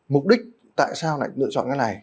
mục đích tại sao lại lựa chọn cái này